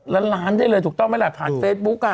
ล้านล้านได้เลยถูกต้องไหมล่ะผ่านเฟซบุ๊ก